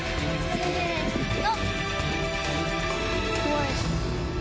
せの！